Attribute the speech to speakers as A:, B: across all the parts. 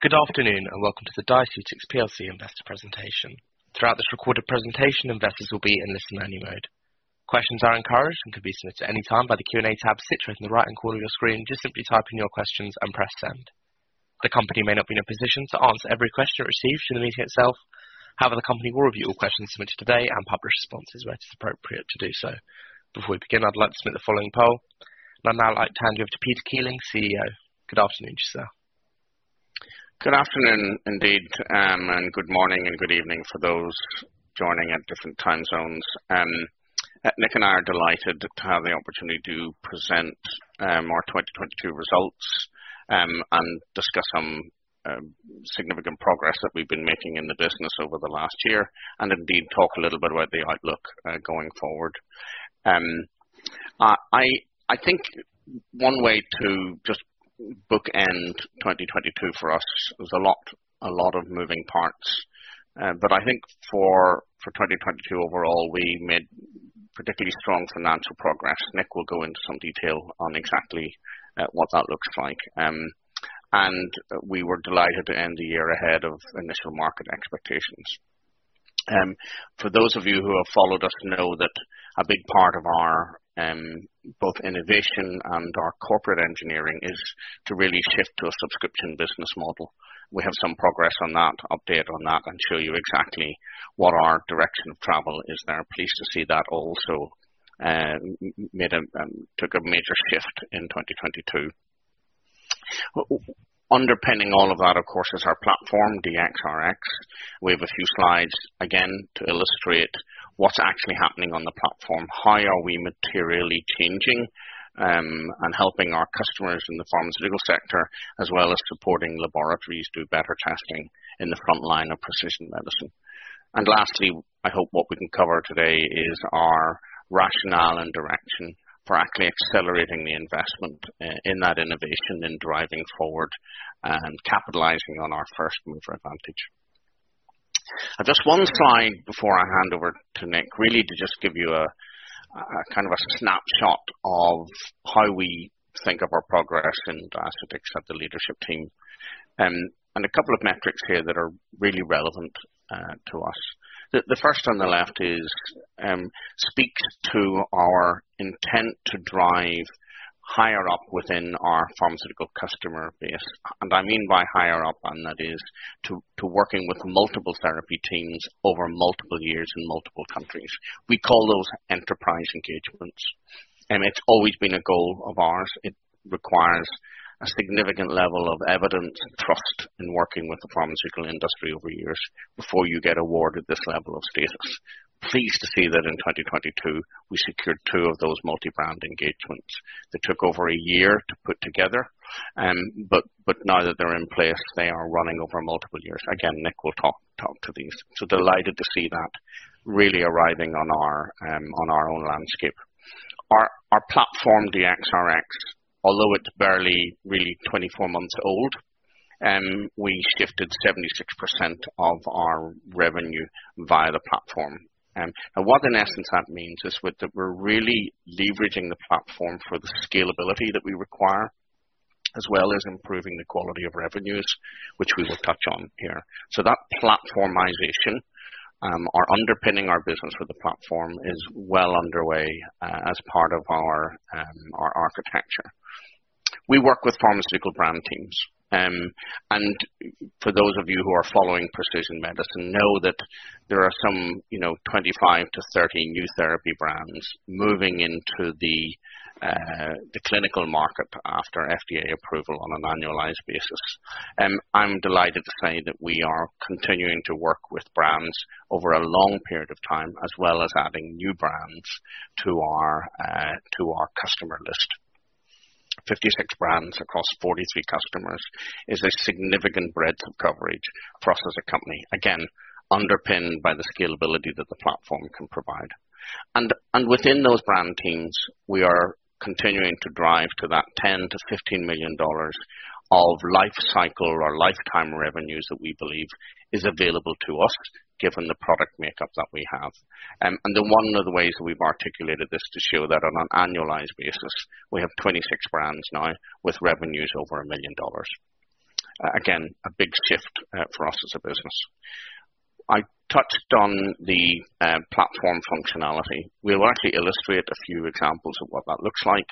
A: Good afternoon, welcome to the Diaceutics PLC investor presentation. Throughout this recorded presentation, investors will be in listen only mode. Questions are encouraged and can be submitted anytime by the Q&A tab situated in the right corner of your screen. Just simply type in your questions and press Send. The company may not be in a position to answer every question it receives during the meeting itself. The company will review all questions submitted today and publish responses where it is appropriate to do so. Before we begin, I'd like to submit the following poll. I'd now like to hand you over to Peter Keeling, CEO. Good afternoon to you, sir.
B: Good afternoon, indeed. Good morning and good evening for those joining at different time zones. Nick and I are delighted to have the opportunity to present our 2022 results, and discuss some significant progress that we've been making in the business over the last year and indeed talk a little bit about the outlook going forward. I think one way to just bookend 2022 for us was a lot of moving parts. I think for 2022 overall, we made particularly strong financial progress. Nick will go into some detail on exactly what that looks like. We were delighted to end the year ahead of initial market expectations. For those of you who have followed us know that a big part of our, both innovation and our corporate engineering is to really shift to a subscription business model. We have some progress on that, update on that, and show you exactly what our direction of travel is there. Pleased to see that also took a major shift in 2022. Underpinning all of that, of course, is our platform DXRX. We have a few slides again to illustrate what's actually happening on the platform. How are we materially changing and helping our customers in the pharmaceutical sector, as well as supporting laboratories do better testing in the front line of precision medicine. Lastly, I hope what we can cover today is our rationale and direction for actually accelerating the investment in that innovation in driving forward and capitalizing on our first mover advantage. Just one slide before I hand over to Nick, really to just give you a snapshot of how we think of our progress in Diaceutics at the leadership team. A couple of metrics here that are really relevant to us. The first on the left is speaks to our intent to drive higher up within our pharmaceutical customer base. I mean by higher up, and that is to working with multiple therapy teams over multiple years in multiple countries. We call those enterprise engagements. It's always been a goal of ours. It requires a significant level of evidence and trust in working with the pharmaceutical industry over years before you get awarded this level of status. Pleased to see that in 2022 we secured two of those multi-brand engagements that took over a year to put together. Now that they're in place, they are running over multiple years. Again, Nick will talk to these. Delighted to see that really arriving on our own landscape. Our platform, DXRX, although it's barely really 24 months old, we shifted 76% of our revenue via the platform. What in essence that means is we're really leveraging the platform for the scalability that we require, as well as improving the quality of revenues, which we will touch on here. That platformization, or underpinning our business with the platform is well underway as part of our architecture. We work with pharmaceutical brand teams. For those of you who are following precision medicine know that there are some, you know, 25-30 new therapy brands moving into the clinical market after FDA approval on an annualized basis. I'm delighted to say that we are continuing to work with brands over a long period of time, as well as adding new brands to our customer list. 56 brands across 43 customers is a significant breadth of coverage for us as a company. Again, underpinned by the scalability that the platform can provide. Within those brand teams, we are continuing to drive to that $10 million-$15 million of life cycle or lifetime revenues that we believe is available to us, given the product makeup that we have. One of the ways that we've articulated this to show that on an annualized basis, we have 26 brands now with revenues over a million dollars. Again, a big shift for us as a business. I touched on the platform functionality. We'll actually illustrate a few examples of what that looks like.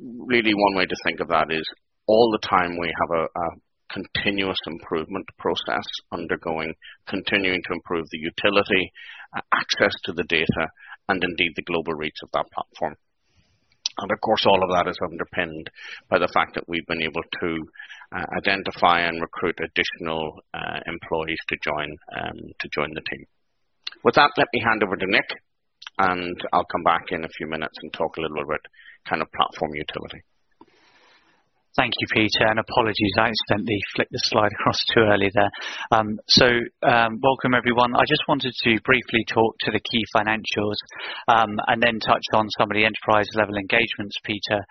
B: Really one way to think of that is all the time we have a continuous improvement process undergoing continuing to improve the utility, access to the data and indeed the global reach of that platform. Of course, all of that is underpinned by the fact that we've been able to identify and recruit additional employees to join the team. With that, let me hand over to Nick, and I'll come back in a few minutes and talk a little bit kind of platform utility.
C: Thank you, Peter, apologies, I accidentally flipped the slide across too early there. Welcome everyone. I just wanted to briefly talk to the key financials, and then touch on some of the enterprise-level engagements Peter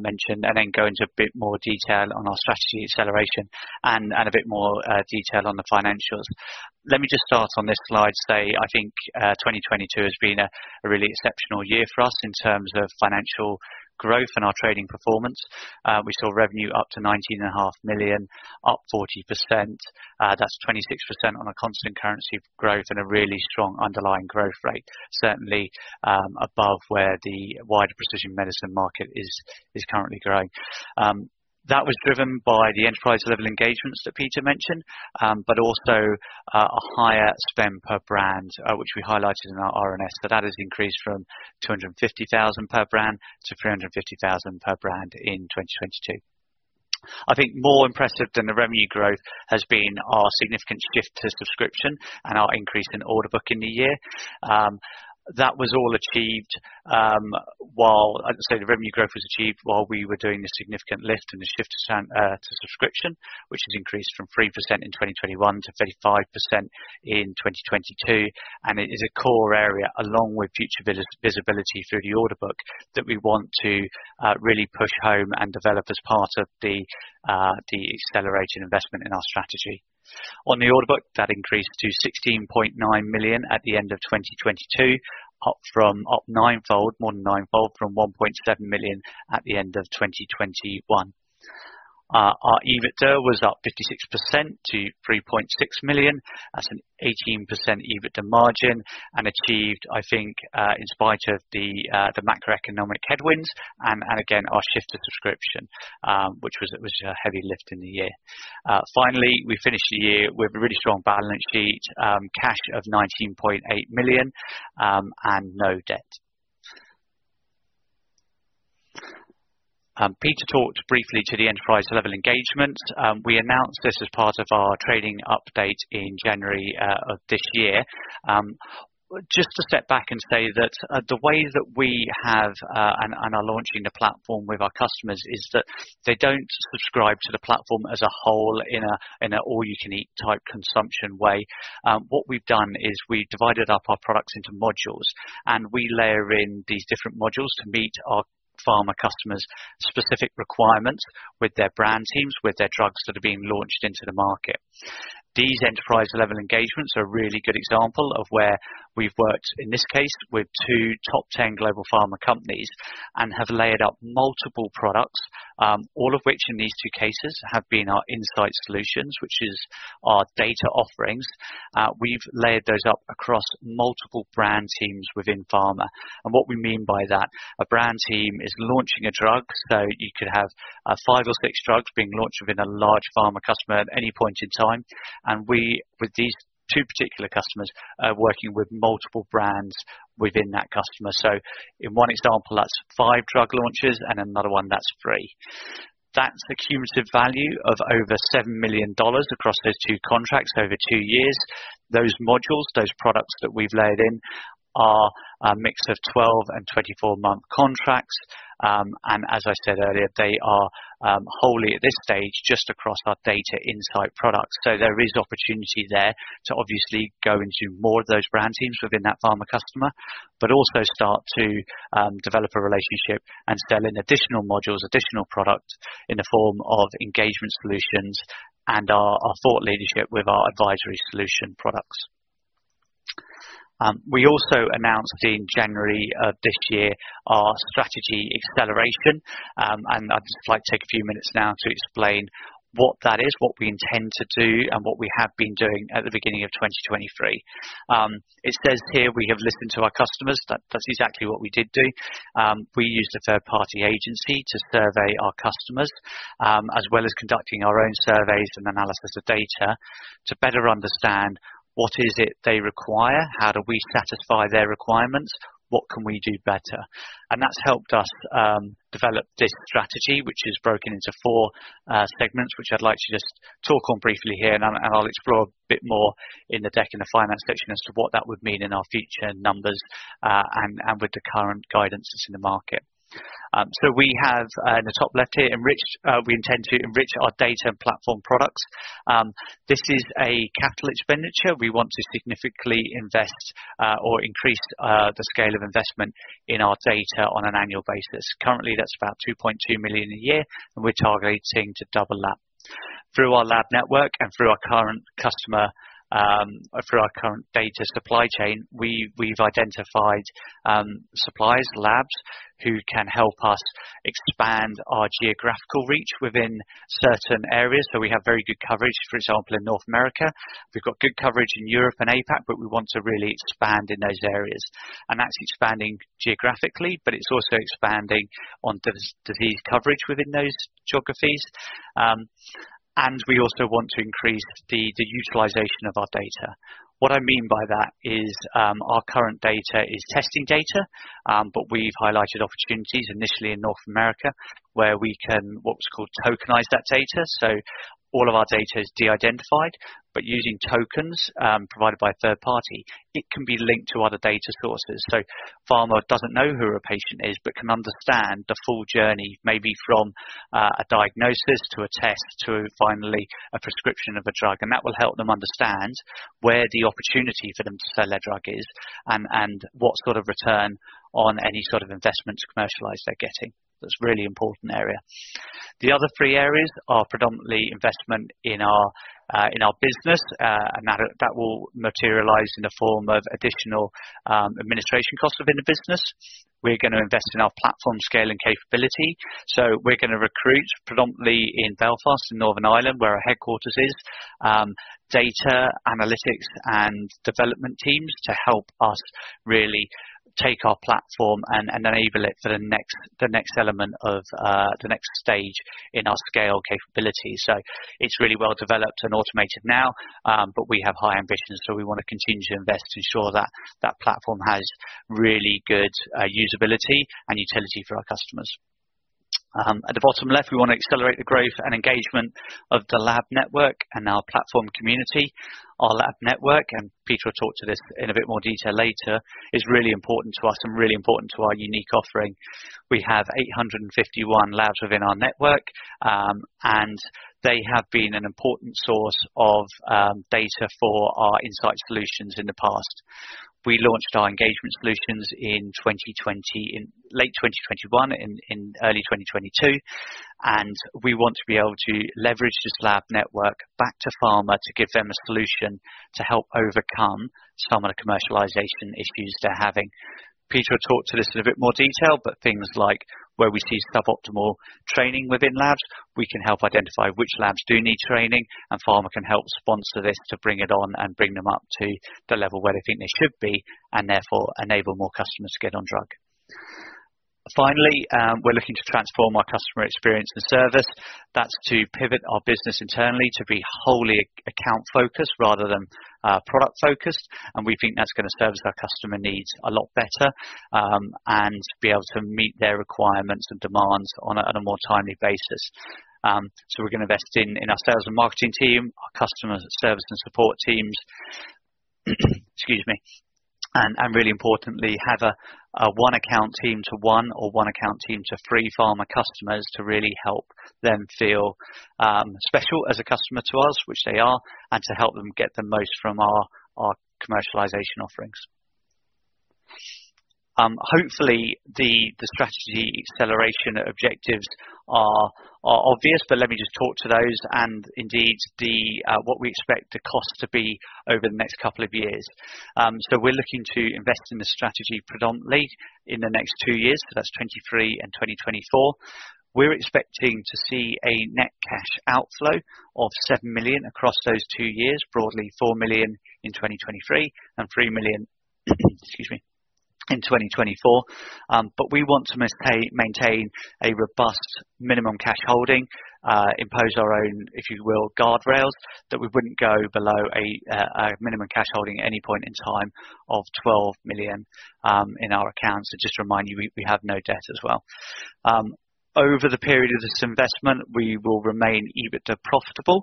C: mentioned, and then go into a bit more detail on our strategy acceleration and a bit more detail on the financials. Let me just start on this slide. Say I think, 2022 has been a really exceptional year for us in terms of financial growth and our trading performance. We saw revenue up to 19.5 million (Pound Sterling), up 40%. That's 26% on a constant currency of growth and a really strong underlying growth rate, certainly, above where the wider precision medicine market is currently growing. That was driven by the enterprise-level engagements that Peter mentioned, but also a higher spend per brand, which we highlighted in our RNS. That has increased from 250,000 (Pound Sterling) per brand to 350,000 (Pound Sterling) per brand in 2022. I think more impressive than the revenue growth has been our significant shift to subscription and our increase in order book in the year. That was all achieved while I'd say the revenue growth was achieved while we were doing a significant lift in the shift to subscription, which has increased from 3% in 2021 to 35% in 2022. It is a core area along with future visibility through the order book that we want to really push home and develop as part of the accelerated investment in our strategy. On the order book, that increased to 16.9 million (Pound Sterling) at the end of 2022. Up ninefold, more than ninefold from 1.7 million (Pound Sterling) at the end of 2021. Our EBITDA was up 56% to 3.6 million (Pound Sterling). That's an 18% EBITDA margin and achieved, I think, in spite of the macroeconomic headwinds and again, our shift to subscription, which was a heavy lift in the year. Finally, we finished the year with a really strong balance sheet, cash of 19.8 million (Pound Sterling) and no debt. Peter talked briefly to the enterprise-level engagement. We announced this as part of our trading update in January of this year. Just to step back and say that the way that we have, and are launching the platform with our customers is that they don't subscribe to the platform as a whole in an all you can eat type consumption way. What we've done is we've divided up our products into modules, and we layer in these different modules to meet our pharma customers' specific requirements with their brand teams, with their drugs that are being launched into the market. These enterprise-level engagements are a really good example of where we've worked, in this case, with two top 10 global pharma companies and have layered up multiple products, all of which in these two cases have been our Insights Solutions, which is our data offerings. We've layered those up across multiple brand teams within pharma. What we mean by that, a brand team is launching a drug. You could have five or six drugs being launched within a large pharma customer at any point in time. We, with these two particular customers, are working with multiple brands within that customer. In one example, that's five drug launches and another one that's three. That's a cumulative value of over $7 million across those two contracts over two years. Those modules, those products that we've layered in are a mix of 12 and 24-month contracts. As I said earlier, they are wholly at this stage, just across our data insight products. There is opportunity there to obviously go into more of those brand teams within that pharma customer, but also start to develop a relationship and sell in additional modules, additional products in the form of Engagement Solutions and our thought leadership with our Advisory Services products. We also announced in January of this year our strategy acceleration, I'd just like to take a few minutes now to explain what that is, what we intend to do and what we have been doing at the beginning of 2023. It says here we have listened to our customers. That's exactly what we did do. We used a third-party agency to survey our customers, as well as conducting our own surveys and analysis of data to better understand what is it they require, how do we satisfy their requirements, what can we do better? That's helped us develop this strategy, which is broken into four segments, which I'd like to just talk on briefly here, and I'll explore a bit more in the deck in the finance section as to what that would mean in our future numbers, and with the current guidances in the market. We have in the top left here, enrich. We intend to enrich our data and platform products. This is a capital expenditure. We want to significantly invest or increase the scale of investment in our data on an annual basis. Currently, that's about 2.2 million (Pound Sterling) a year, and we're targeting to double that. Through our lab network and through our current customer, through our current data supply chain, we've identified suppliers, labs who can help us expand our geographical reach within certain areas. We have very good coverage, for example, in North America. We've got good coverage in Europe and APAC, but we want to really expand in those areas. That's expanding geographically, but it's also expanding on disease coverage within those geographies. We also want to increase the utilization of our data. What I mean by that is, our current data is testing data, but we've highlighted opportunities initially in North America where we can, what's called tokenize that data. All of our data is de-identified, but using tokens, provided by a third party, it can be linked to other data sources. Pharma doesn't know who a patient is, but can understand the full journey, maybe from a diagnosis to a test to finally a prescription of a drug. That will help them understand where the opportunity for them to sell their drug is and what sort of return on any sort of investment to commercialize they're getting. That's a really important area. The other three areas are predominantly investment in our in our business, and that will materialize in the form of additional administration costs within the business. We're gonna invest in our platform scaling capability. We're gonna recruit predominantly in Belfast, in Northern Ireland, where our headquarters is, data analytics and development teams to help us really take our platform and enable it for the next element of the next stage in our scale capability. It's really well developed and automated now, but we have high ambitions, so we wanna continue to invest to ensure that platform has really good usability and utility for our customers. At the bottom left, we want to accelerate the growth and engagement of the lab network and our platform community. Our lab network, and Peter will talk to this in a bit more detail later, is really important to us and really important to our unique offering. We have 851 labs within our network, and they have been an important source of data for our Insights Solutions in the past. We launched our Engagement Solutions in late 2021 and early 2022, and we want to be able to leverage this lab network back to pharma to give them a solution to help overcome some of the commercialization issues they're having. Peter will talk to this in a bit more detail, but things like where we see sub-optimal training within labs, we can help identify which labs do need training, and pharma can help sponsor this to bring it on and bring them up to the level where they think they should be and therefore enable more customers to get on drug. Finally, we're looking to transform our customer experience and service. That's to pivot our business internally to be wholly account focused rather than product focused. We think that's gonna service our customer needs a lot better and be able to meet their requirements and demands on a more timely basis. We're gonna invest in our sales and marketing team, our customer service and support teams. Excuse me. Really importantly, have a one account team to one or one account team to three pharma customers to really help them feel special as a customer to us, which they are, and to help them get the most from our commercialization offerings. Hopefully the strategy acceleration objectives are obvious, but let me just talk to those and indeed the what we expect the cost to be over the next couple of years. We're looking to invest in this strategy predominantly in the next two years. That's 2023 and 2024. We're expecting to see a net cash outflow of 7 million (Pound Sterling) across those two years, broadly 4 million (Pound Sterling) in 2023 and 3 million (Pound Sterling), excuse me, in 2024. We want to maintain a robust minimum cash holding, impose our own, if you will, guardrails that we wouldn't go below a minimum cash holding at any point in time of 12 million (Pound Sterling) in our accounts. To just remind you, we have no debt as well. Over the period of this investment, we will remain EBITDA profitable,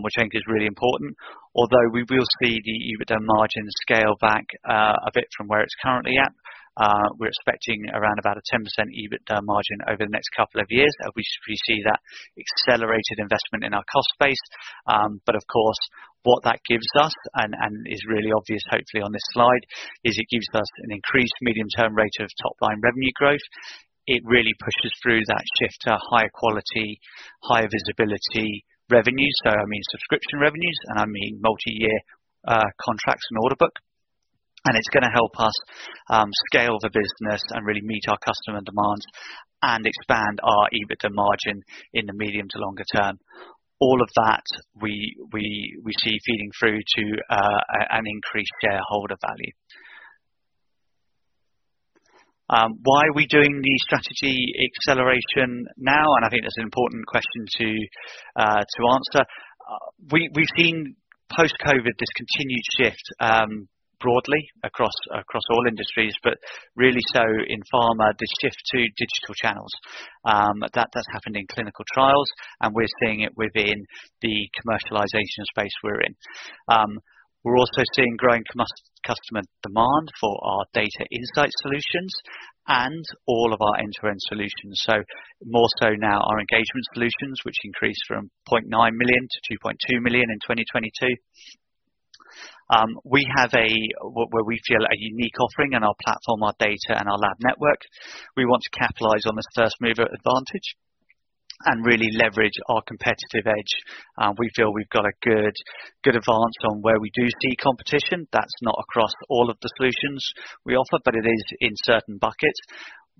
C: which I think is really important. Although we will see the EBITDA margin scale back a bit from where it's currently at. We're expecting around about a 10% EBITDA margin over the next two years. We see that accelerated investment in our cost base. Of course, what that gives us and is really obvious hopefully on this slide, is it gives us an increased medium-term rate of top-line revenue growth. It really pushes through that shift to higher quality, higher visibility revenue. I mean subscription revenues, and I mean multi-year contracts and order book. It's gonna help us scale the business and really meet our customer demands and expand our EBITDA margin in the medium to longer term. All of that we see feeding through to an increased shareholder value. Why are we doing the strategy acceleration now? I think that's an important question to answer. We've seen post-COVID this continued shift broadly across all industries, but really so in pharma, this shift to digital channels. That's happened in clinical trials, and we're seeing it within the commercialization space we're in. We're also seeing growing customer demand for our data Insights Solutions and all of our end-to-end solutions. More so now our Engagement Solutions, which increased from 0.9 million (Pound Sterling) to 2.2 million (Pound Sterling) in 2022. We have a, where we feel a unique offering in our platform, our data, and our lab network. We want to capitalize on this first-mover advantage and really leverage our competitive edge. We feel we've got a good advance on where we do see competition. That's not across all of the solutions we offer, but it is in certain buckets.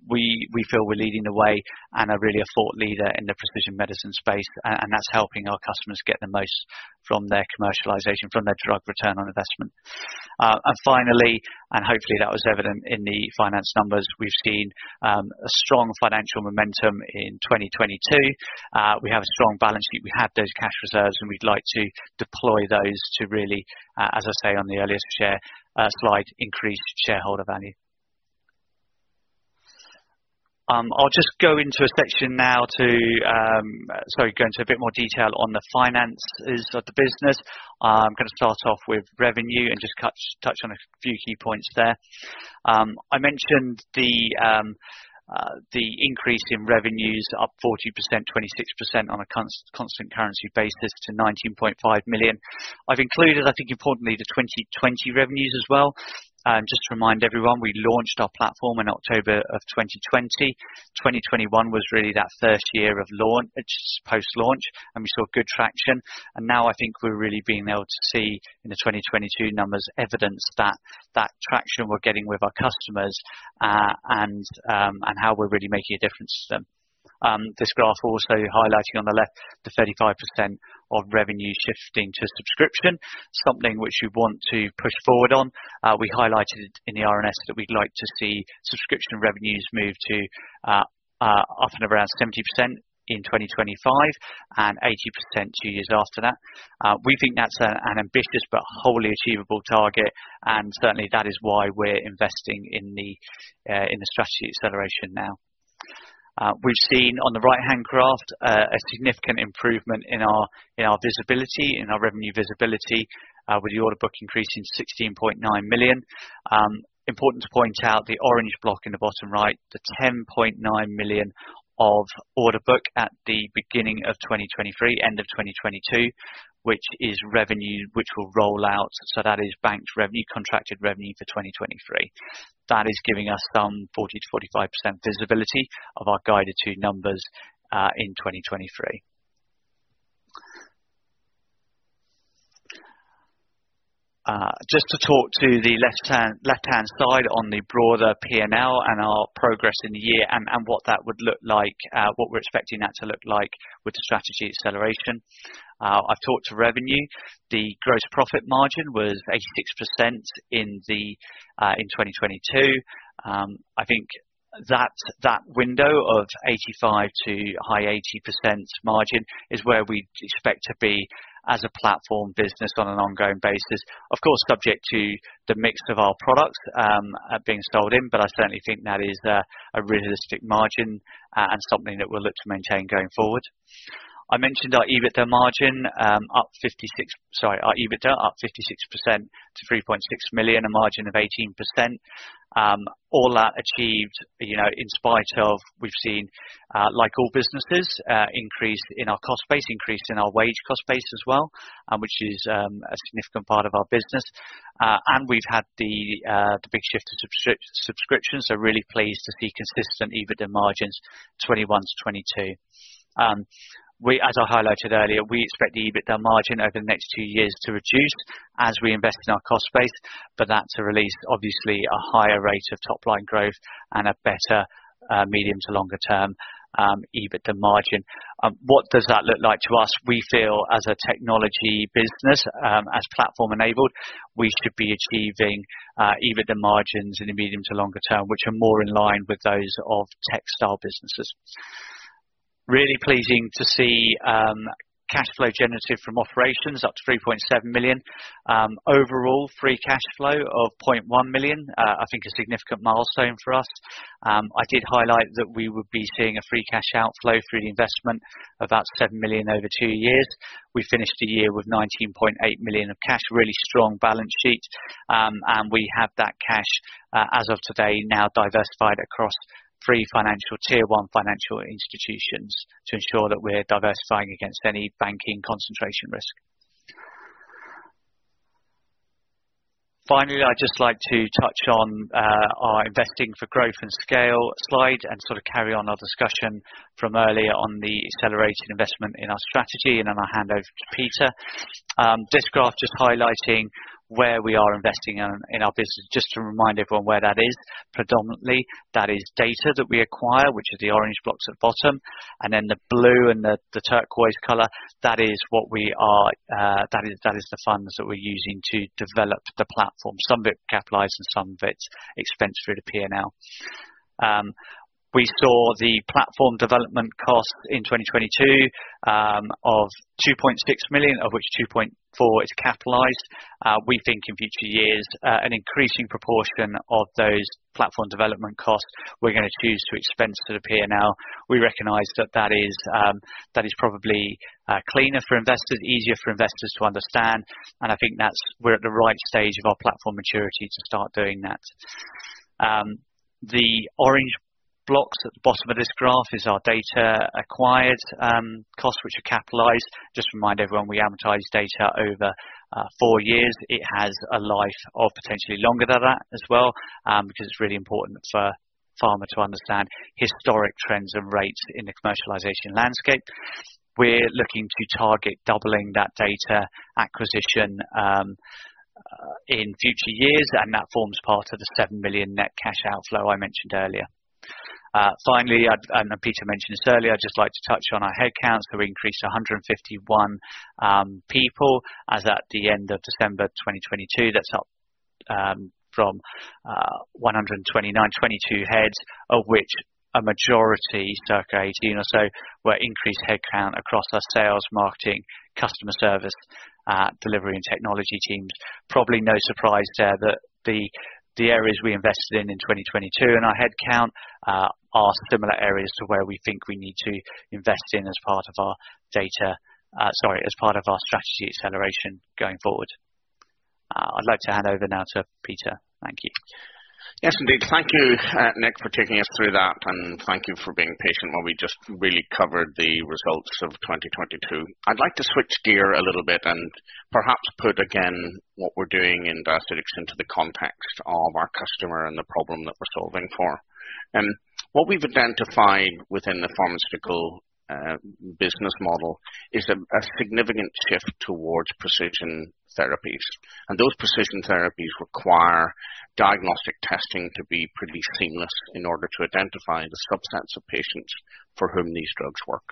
C: We feel we're leading the way and are really a thought leader in the precision medicine space, and that's helping our customers get the most from their commercialization, from their drug return on investment. Finally, and hopefully that was evident in the finance numbers, we've seen a strong financial momentum in 2022. We have a strong balance sheet. We have those cash reserves, and we'd like to deploy those to really, as I say on the earlier share slide, increase shareholder value. I'll just go into a section now to, sorry, go into a bit more detail on the finances of the business. I'm gonna start off with revenue and just touch on a few key points there. I mentioned the increase in revenues up 40%, 26% on a constant currency basis to 19.5 million (Pound Sterling). I've included, I think importantly, the 2020 revenues as well. Just to remind everyone, we launched our platform in October of 2020. 2021 was really that first year of launch, just post-launch, we saw good traction. Now I think we're really being able to see in the 2022 numbers evidence that traction we're getting with our customers, and how we're really making a difference to them. This graph also highlighting on the left the 35% of revenue shifting to subscription, something which we want to push forward on. We highlighted in the RNS that we'd like to see subscription revenues move to up and around 70% in 2025 and 80% two years after that. We think that's an ambitious but wholly achievable target, certainly that is why we're investing in the strategy acceleration now. We've seen on the right-hand graph a significant improvement in our revenue visibility with the order book increasing 16.9 million (Pound Sterling). Important to point out the orange block in the bottom right, the 10.9 million (Pound Sterling) of order book at the beginning of 2023, end of 2022, which is revenue which will roll out. That is banked revenue, contracted revenue for 2023. That is giving us some 40%-45% visibility of our guided two numbers in 2023. Just to talk to the left-hand side on the broader P&L and our progress in the year and what that would look like. What we're expecting that to look like with the strategy acceleration. I've talked to revenue. The gross profit margin was 86% in 2022. I think that window of 85% to high 80% margin is where we expect to be as a platform business on an ongoing basis. Of course, subject to the mix of our products being sold in, but I certainly think that is a realistic margin and something that we'll look to maintain going forward. I mentioned our EBITDA margin up 56... Sorry. Our EBITDA up 56% to 3.6 million (Pound Sterling), a margin of 18%. All that achieved, you know, in spite of we've seen, like all businesses, increase in our cost base, increase in our wage cost base as well, which is a significant part of our business. We've had the big shift to subscriptions, really pleased to see consistent EBITDA margins 21%-22%. As I highlighted earlier, we expect the EBITDA margin over the next two years to reduce as we invest in our cost base, that's released obviously a higher rate of top-line growth and a better medium to longer term EBITDA margin. What does that look like to us? We feel as a technology business, as platform-enabled, we should be achieving EBITDA margins in the medium to longer term, which are more in line with those of tech-style businesses. Really pleasing to see cash flow generated from operations up to 3.7 million (Pound Sterling). Overall free cash flow of 0.1 million (Pound Sterling), I think a significant milestone for us. I did highlight that we would be seeing a free cash outflow through the investment of about 7 million (Pound Sterling) over two years. We finished the year with 19.8 million (Pound Sterling) of cash. Really strong balance sheet. We have that cash as of today, now diversified across three tier one financial institutions to ensure that we're diversifying against any banking concentration risk. Finally, I'd just like to touch on our investing for growth and scale slide and sort of carry on our discussion from earlier on the accelerated investment in our strategy. Then I'll hand over to Peter. This graph just highlighting where we are investing in our business. Just to remind everyone where that is. Predominantly, that is data that we acquire, which is the orange blocks at bottom, and then the blue and the turquoise color. That is what we are, that is the funds that we're using to develop the platform, some of it capitalized and some of it's expensed through the P&L. We saw the platform development cost in 2022 of 2.6 million (Pound Sterling), of which 2.4 million (Pound Sterling) is capitalized. We think in future years, an increasing proportion of those platform development costs we're gonna choose to expense through the P&L. We recognize that that is, that is probably, cleaner for investors, easier for investors to understand, I think that's... We're at the right stage of our platform maturity to start doing that. The orange blocks at the bottom of this graph is our data acquired, costs which are capitalized. Just remind everyone, we amortize data over four years. It has a life of potentially longer than that as well, because it's really important for pharma to understand historic trends and rates in the commercialization landscape. We're looking to target doubling that data acquisition, in future years, that forms part of the 7 million (Pound Sterling) net cash outflow I mentioned earlier. Finally, I've...Peter mentioned this earlier, I'd just like to touch on our headcounts. We increased to 151 people as at the end of December 2022. That's up from 129 heads, of which a majority, [some 18] or so, were increased headcount across our sales, marketing, customer service, delivery, and technology teams. Probably no surprise there that the areas we invested in in 2022 in our headcount are similar areas to where we think we need to invest in as part of our data. Sorry, as part of our strategy acceleration going forward. I'd like to hand over now to Peter. Thank you.
B: Yes, indeed. Thank you, Nick, for taking us through that, and thank you for being patient while we just really covered the results of 2022. I'd like to switch gear a little bit and perhaps put again what we're doing in industry and into the context of our customer and the problem that we're solving for. What we've identified within the pharmaceutical business model is a significant shift towards precision therapies. Those precision therapies require diagnostic testing to be pretty seamless in order to identify the subsets of patients for whom these drugs work.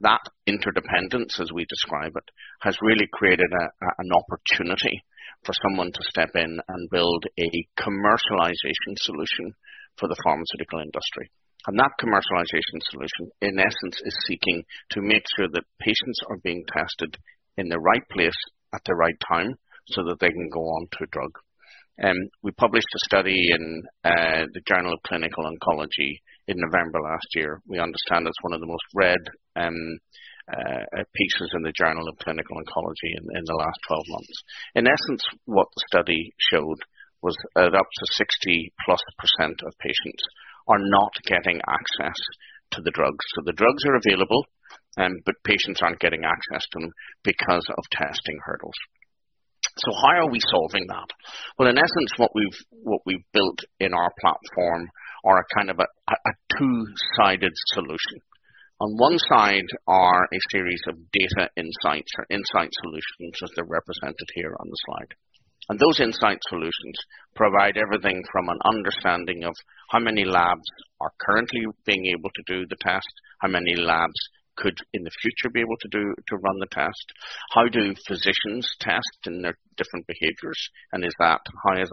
B: That interdependence, as we describe it, has really created an opportunity for someone to step in and build a commercialization solution for the pharmaceutical industry. That commercialization solution, in essence, is seeking to make sure that patients are being tested in the right place at the right time so that they can go on to a drug. We published a study in the Journal of Clinical Oncology in November last year. We understand it's one of the most read pieces in the Journal of Clinical Oncology in the last 12 months. In essence, what the study showed was that up to 60%+ of patients are not getting access to the drugs. The drugs are available, but patients aren't getting access to them because of testing hurdles. How are we solving that? Well, in essence, what we've built in our platform are a kind of a two-sided solution. On one side are a series of data insights or Insights Solutions, as they're represented here on the slide. Those Insights Solutions provide everything from an understanding of how many labs are currently being able to do the test, how many labs could in the future be able to run the test. How do physicians test and their different behaviors, how is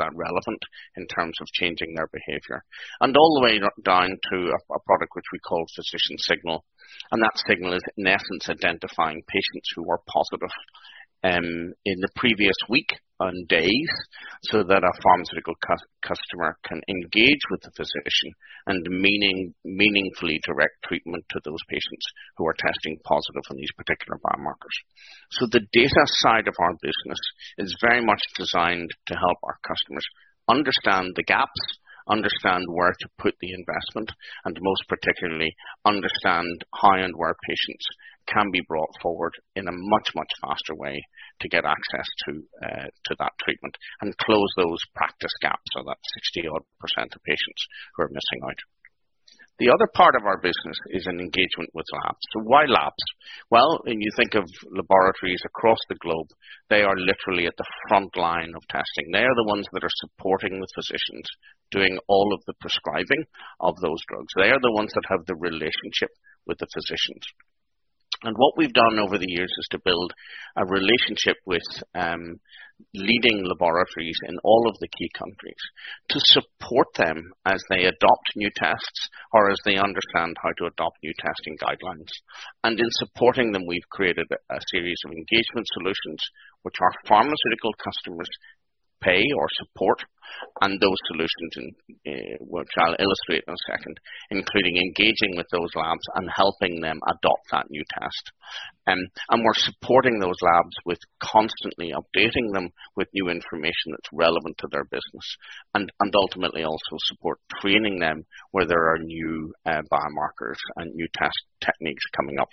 B: that relevant in terms of changing their behavior? All the way down to a product which we call physician signal. That signal is, in essence, identifying patients who are positive in the previous week and days so that a pharmaceutical customer can engage with the physician and meaningfully direct treatment to those patients who are testing positive on these particular biomarkers. The data side of our business is very much designed to help our customers understand the gaps, understand where to put the investment, and most particularly, understand how and where patients can be brought forward in a much, much faster way to get access to that treatment and close those practice gaps so that 60% odd of patients who are missing out. The other part of our business is in engagement with labs. Why labs? When you think of laboratories across the globe, they are literally at the front line of testing. They are the ones that are supporting the physicians, doing all of the prescribing of those drugs. They are the ones that have the relationship with the physicians. What we've done over the years is to build a relationship with leading laboratories in all of the key countries to support them as they adopt new tests or as they understand how to adopt new testing guidelines. In supporting them, we've created a series of Engagement Solutions which our pharmaceutical customers pay or support. Those solutions which I'll illustrate in a second, including engaging with those labs and helping them adopt that new test. We're supporting those labs with constantly updating them with new information that's relevant to their business and ultimately also support training them where there are new biomarkers and new test techniques coming up.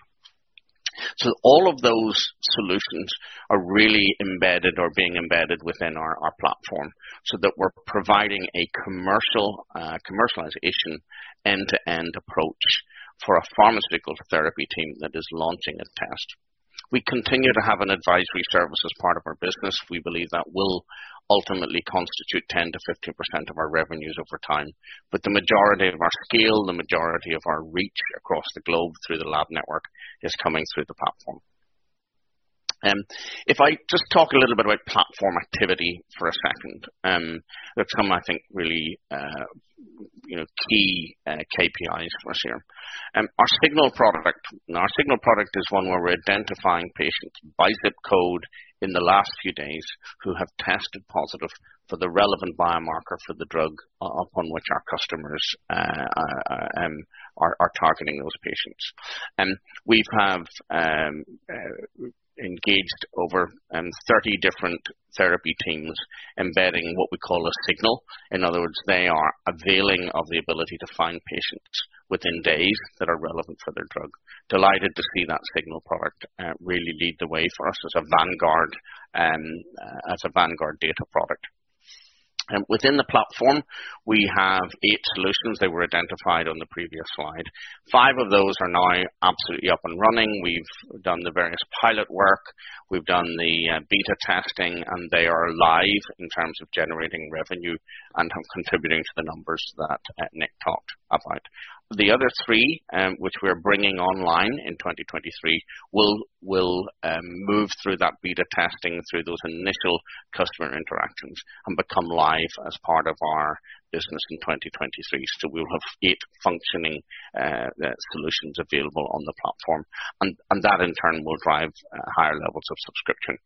B: All of those solutions are really embedded or being embedded within our platform, so that we're providing a commercial commercialization end-to-end approach for a pharmaceutical therapy team that is launching a test. We continue to have an Advisory Services as part of our business. We believe that will ultimately constitute 10%-15% of our revenues over time. The majority of our scale, the majority of our reach across the globe through the lab network is coming through the platform. If I just talk a little bit about platform activity for a second, there's some, I think, really, you know, key KPIs for this year. Our Signal product, Our Signal product is one where we're identifying patients by zip code in the last few days who have tested positive for the relevant biomarker for the drug, upon which our customers are targeting those patients. We have engaged over 30 different therapy teams embedding what we call a Signal. In other words, they are availing of the ability to find patients within days that are relevant for their drug. Delighted to see that Signal product really lead the way for us as a vanguard data product. Within the platform, we have eight solutions. They were identified on the previous slide. Five of those are now absolutely up and running. We've done the various pilot work. We've done the beta testing, and they are live in terms of generating revenue and have contributing to the numbers that Nick talked about. The other three, which we're bringing online in 2023, will move through that beta testing through those initial customer interactions and become live as part of our business in 2023. We'll have eight functioning solutions available on the platform. That in turn will drive higher levels of subscription.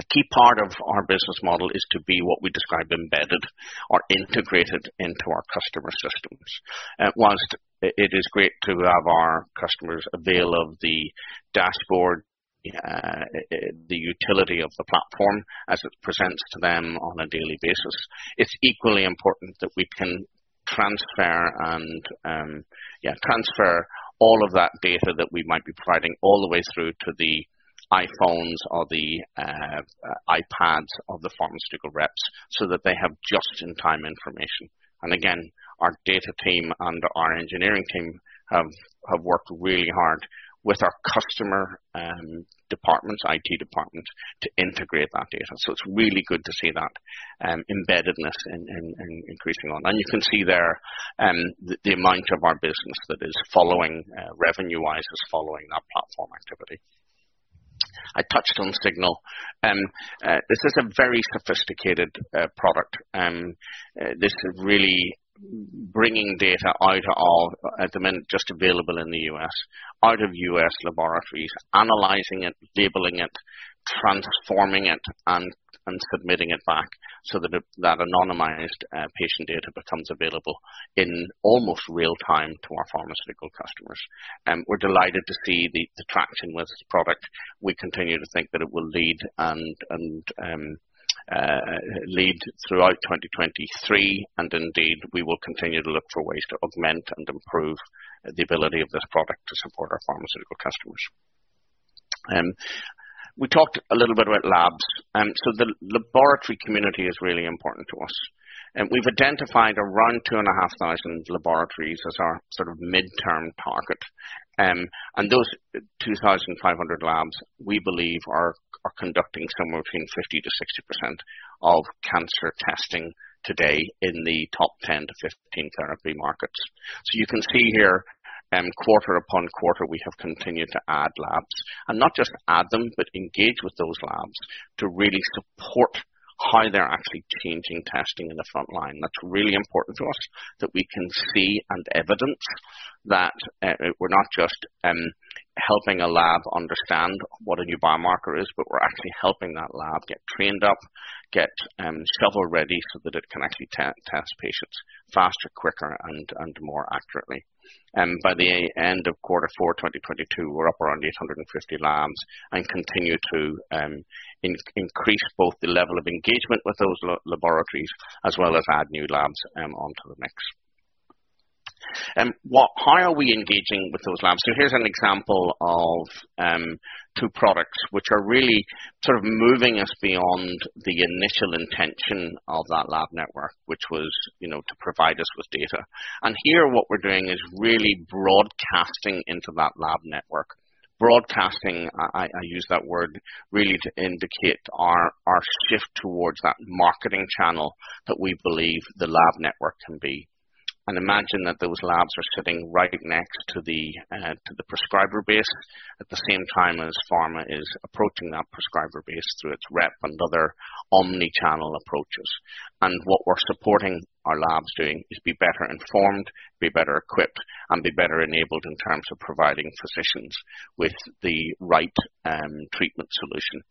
B: A key part of our business model is to be what we describe embedded or integrated into our customer systems. Whilst it is great to have our customers avail of the dashboard, the utility of the platform as it presents to them on a daily basis, it's equally important that we can transfer and, yeah, transfer all of that data that we might be providing all the way through to the iPhones or the iPads of the pharmaceutical reps so that they have just-in-time information. Again, our data team and our engineering team have worked really hard with our customer departments, IT departments, to integrate that data. It's really good to see that embeddedness increasing on. You can see there, the amount of our business that is following, revenue-wise, is following that platform activity. I touched on Signal. This is a very sophisticated product. This is really bringing data out of, at the minute, just available in the U.S., out of U.S. laboratories, analyzing it, labeling it, transforming it, and submitting it back so that anonymized patient data becomes available in almost real-time to our pharmaceutical customers. We're delighted to see the traction with this product. We continue to think that it will lead and lead throughout 2023. Indeed, we will continue to look for ways to augment and improve the ability of this product to support our pharmaceutical customers. We talked a little bit about labs. The laboratory community is really important to us. We've identified around 2,500 laboratories as our sort of midterm target. Those 2,500 labs, we believe are conducting somewhere between 50%-60% of cancer testing today in the top 10-15 therapy markets. You can see here, quarter upon quarter, we have continued to add labs. Not just add them, but engage with those labs to really support how they're actually changing testing in the front line. That's really important to us that we can see and evidence that we're not just helping a lab understand what a new biomarker is, but we're actually helping that lab get trained up, get self-ready so that it can actually test patients faster, quicker, and more accurately. By the end of Q4 2022, we're up around 850 labs and continue to increase both the level of engagement with those laboratories as well as add new labs onto the mix. How are we engaging with those labs? Here's an example of two products which are really sort of moving us beyond the initial intention of that lab network, which was, you know, to provide us with data. Here what we're doing is really broadcasting into that lab network. Broadcasting, I use that word really to indicate our shift towards that marketing channel that we believe the lab network can be. Imagine that those labs are sitting right next to the prescriber base at the same time as pharma is approaching that prescriber base through its rep and other omni-channel approaches. What we're supporting our labs doing is be better informed, be better equipped, and be better enabled in terms of providing physicians with the right treatment solution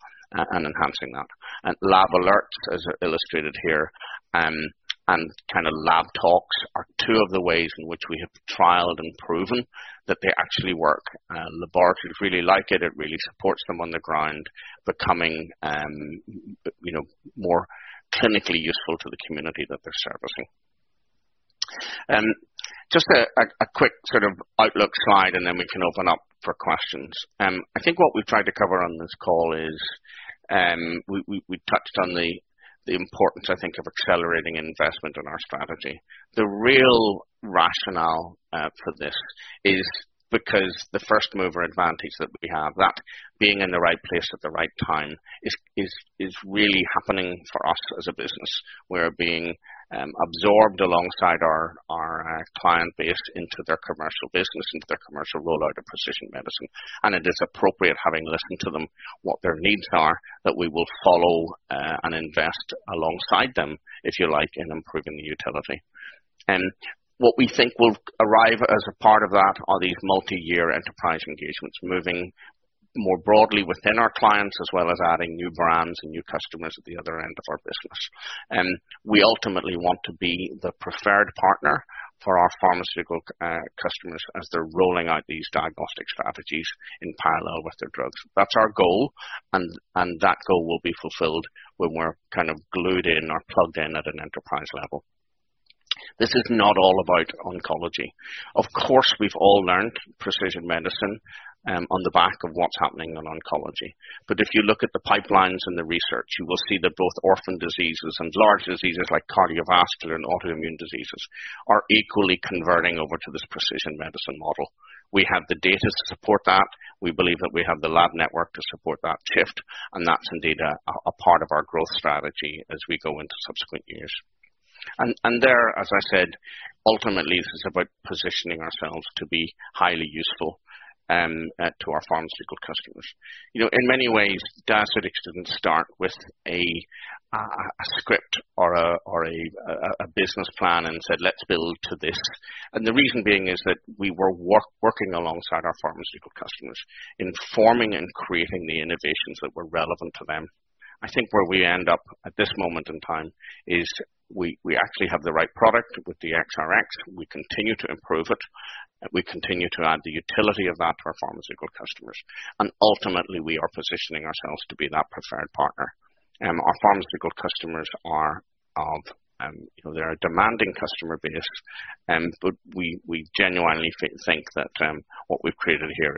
B: and enhancing that. Lab Alerts, as illustrated here, and kind of Lab Talks are two of the ways in which we have trialed and proven that they actually work. Laboratories really like it. It really supports them on the ground becoming, you know, more clinically useful to the community that they're servicing. Just a quick sort of outlook slide, we can open up for questions. I think what we've tried to cover on this call is we touched on the importance, I think, of accelerating investment in our strategy. The real rationale for this is because the first-mover advantage that we have, that being in the right place at the right time is really happening for us as a business. We're being absorbed alongside our client base into their commercial business, into their commercial rollout of precision medicine. It is appropriate, having listened to them, what their needs are, that we will follow and invest alongside them, if you like, in improving the utility. What we think will arrive as a part of that are these multi-year enterprise engagements. Moving more broadly within our clients, as well as adding new brands and new customers at the other end of our business. We ultimately want to be the preferred partner for our pharmaceutical customers as they're rolling out these diagnostic strategies in parallel with their drugs. That's our goal, and that goal will be fulfilled when we're kind of glued in or plugged in at an enterprise level. This is not all about oncology. Of course, we've all learned precision medicine on the back of what's happening in oncology. If you look at the pipelines and the research, you will see that both orphan diseases and large diseases like cardiovascular and autoimmune diseases are equally converting over to this precision medicine model. We have the data to support that. We believe that we have the lab network to support that shift, and that's indeed a part of our growth strategy as we go into subsequent years. There, as I said, ultimately, this is about positioning ourselves to be highly useful to our pharmaceutical customers. You know, in many ways, Diaceutics didn't start with a script or a business plan and said, "Let's build to this." The reason being is that we were working alongside our pharmaceutical customers, informing and creating the innovations that were relevant to them. I think where we end up at this moment in time is we actually have the right product with DXRX. We continue to improve it. We continue to add the utility of that to our pharmaceutical customers. Ultimately, we are positioning ourselves to be that preferred partner. Our pharmaceutical customers are of, you know, they're a demanding customer base. We genuinely think that what we've created here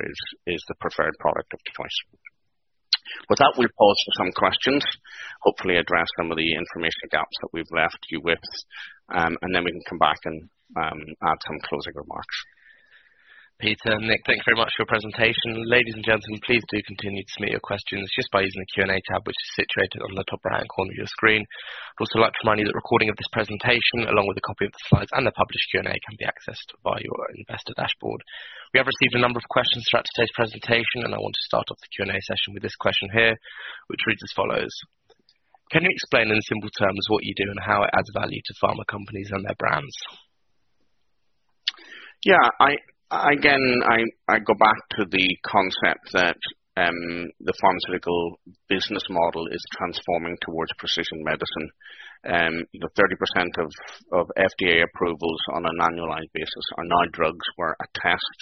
B: is the preferred product of choice. With that, we'll pause for some questions, hopefully address some of the information gaps that we've left you with, then we can come back and add some closing remarks.
D: Peter and Nick, thanks very much for your presentation. Ladies and gentlemen, please do continue to submit your questions just by using the Q&A tab which is situated on the top right-hand corner of your screen. I'd also like to remind you that a recording of this presentation along with a copy of the slides and the published Q&A can be accessed via your investor dashboard. We have received a number of questions throughout today's presentation. I want to start off the Q&A session with this question here, which reads as follows. Can you explain in simple terms what you do and how it adds value to pharma companies and their brands?
B: Yeah. Again, I go back to the concept that the pharmaceutical business model is transforming towards precision medicine. You know, 30% of FDA approvals on an annualized basis are now drugs where a test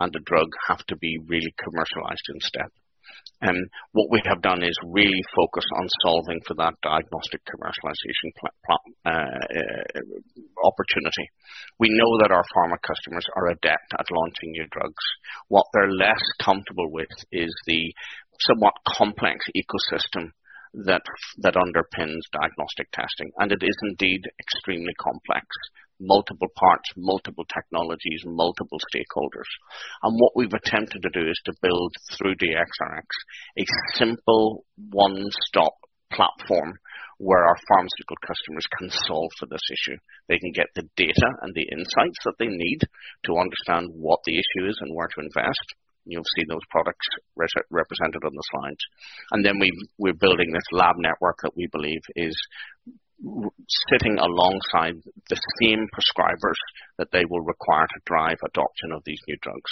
B: and a drug have to be really commercialized instead. What we have done is really focus on solving for that diagnostic commercialization opportunity. We know that our pharma customers are adept at launching new drugs. What they're less comfortable with is the somewhat complex ecosystem that underpins diagnostic testing, and it is indeed extremely complex. Multiple parts, multiple technologies, multiple stakeholders. What we've attempted to do is to build through DXRX a simple one-stop platform where our pharmaceutical customers can solve for this issue. They can get the data and the insights that they need to understand what the issue is and where to invest. You'll see those products represented on the slides. Then we're building this lab network that we believe is sitting alongside the same prescribers that they will require to drive adoption of these new drugs.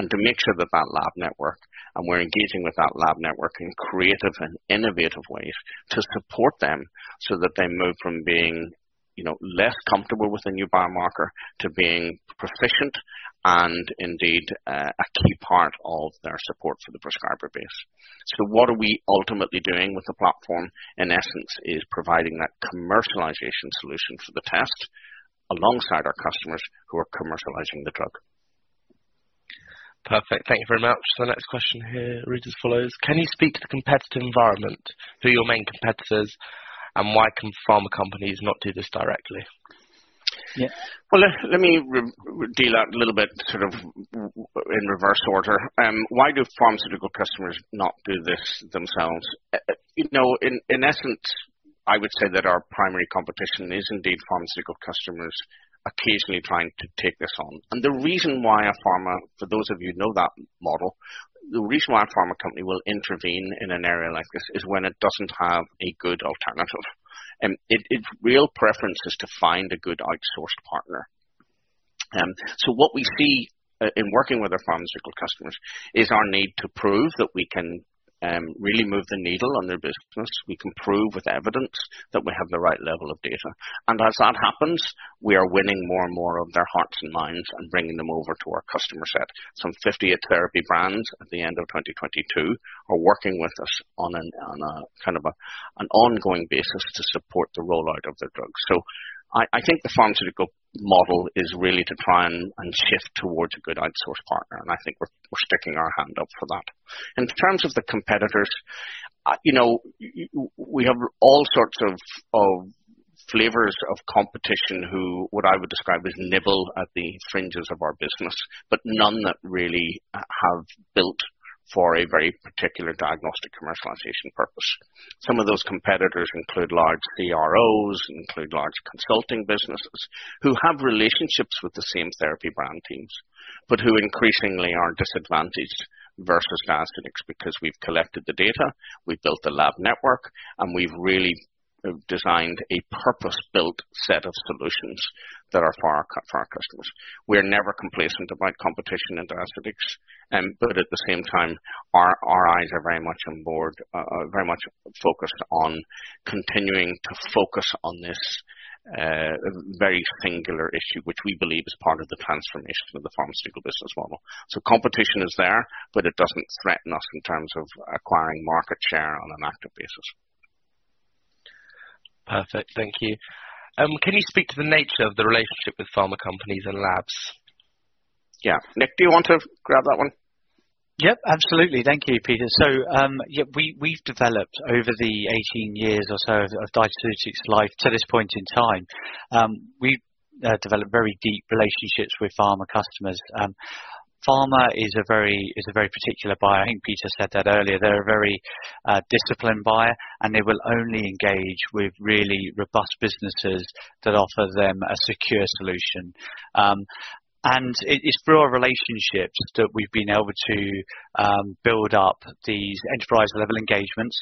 B: To make sure that that lab network, and we're engaging with that lab network in creative and innovative ways to support them so that they move from being, you know, less comfortable with the new biomarker to being proficient and indeed, a key part of their support for the prescriber base. What are we ultimately doing with the platform, in essence, is providing that commercialization solution for the test alongside our customers who are commercializing the drug.
D: Perfect. Thank you very much. The next question here reads as follows. Can you speak to the competitive environment, who are your main competitors, and why can pharma companies not do this directly?
B: Yeah. Well, let me re-deal that a little bit sort of in reverse order. Why do pharmaceutical customers not do this themselves? you know, in essence, I would say that our primary competition is indeed pharmaceutical customers occasionally trying to take this on. The reason why a pharma, for those of you who know that model, the reason why a pharma company will intervene in an area like this is when it doesn't have a good alternative. Its real preference is to find a good outsourced partner. What we see, in working with our pharmaceutical customers is our need to prove that we can, really move the needle on their business. We can prove with evidence that we have the right level of data. As that happens, we are winning more and more of their hearts and minds and bringing them over to our customer set. Some 58 therapy brands at the end of 2022 are working with us on a kind of an ongoing basis to support the rollout of their drugs. I think the pharmaceutical model is really to try and shift towards a good outsource partner, and I think we're sticking our hand up for that. In terms of the competitors, you know, we have all sorts of flavors of competition who, what I would describe as nibble at the fringes of our business, but none that really have built for a very particular diagnostic commercialization purpose. Some of those competitors include large CROs, include large consulting businesses who have relationships with the same therapy brand teams, but who increasingly are disadvantaged versus Diaceutics because we've collected the data, we've built the lab network, and we've really designed a purpose-built set of solutions that are for our customers. We're never complacent about competition at Diaceutics. At the same time, our eyes are very much on board, very much focused on continuing to focus on this very singular issue, which we believe is part of the transformation of the pharmaceutical business model. Competition is there, but it doesn't threaten us in terms of acquiring market share on an active basis.
D: Perfect. Thank you. Can you speak to the nature of the relationship with pharma companies and labs?
B: Yeah. Nick, do you want to grab that one?
C: Yep, absolutely. Thank you, Peter. Over the 18 years or so of Diaceutics life to this point in time, we've developed very deep relationships with pharma customers. Pharma is a very particular buyer. I think Peter said that earlier. They're a very disciplined buyer, and they will only engage with really robust businesses that offer them a secure solution. It's through our relationships that we've been able to build up these enterprise-level engagements.